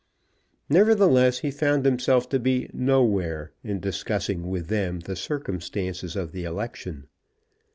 Nevertheless, he found himself to be "nowhere" in discussing with them the circumstances of the election.